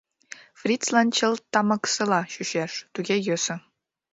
Фрицлан чылт тамыкысыла чучеш, туге йӧсӧ.